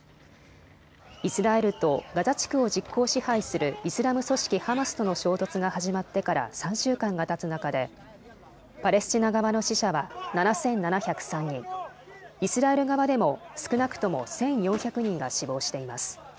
イスラエルとガザ地区を実効支配するイスラム組織ハマスとの衝突が始まってから３週間がたつ中でパレスチナ側の死者は７７０３人、イスラエル側でも少なくとも１４００人が死亡しています。